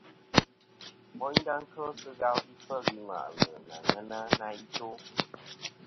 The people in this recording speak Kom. Woynda kel sɨ ghal ifel i ŋwà'lɨ nɨ aŋen na i to.